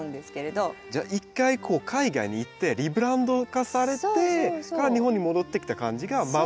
じゃあ一回海外に行ってリブランド化されてから日本に戻ってきた感じがマム。